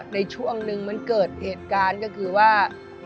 ในช่วงนึงมันเกิดเหตุการณ์ก็คือว่า